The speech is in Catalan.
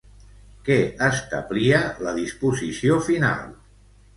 Què establia la disposició final?